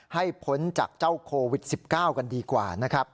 พ้นจากเจ้าโควิด๑๙กันดีกว่านะครับ